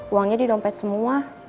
uangnya di dompet semua